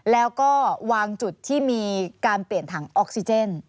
แล้วก็วางจุดที่มีการเปลี่ยนถังออกซิเจน